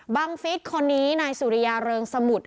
ฟิศคนนี้นายสุริยาเริงสมุทร